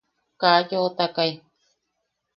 Ka yoʼotakai.